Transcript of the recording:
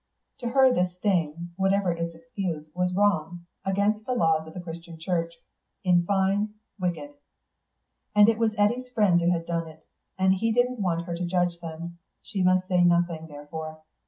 To her this thing, whatever its excuse, was wrong, against the laws of the Christian Church, in fine, wicked. And it was Eddy's friends who had done it, and he didn't want her to judge them; she must say nothing, therefore.